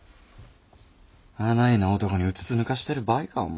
あないな男にうつつ抜かしてる場合かお前。